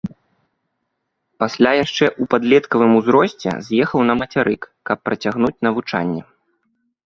Пасля яшчэ ў падлеткавым узросце з'ехаў на мацярык, каб працягнуць навучанне.